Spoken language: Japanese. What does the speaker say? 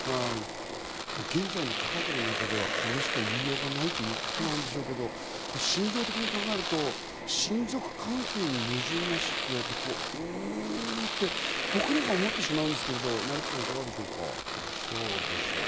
現在の科学の中ではこれしか言いようがないということなんでしょうけど、心情的に考えると親族関係に矛盾なしと言われて、うんって僕なんか思ってしまうんですけど、成田さん、いかがですか？